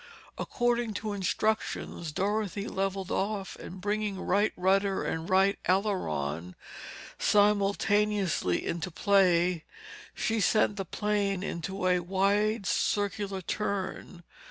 According to instructions, Dorothy leveled off and bringing right rudder and right aileron simultaneously into play, she sent the plane into a wide circular turn.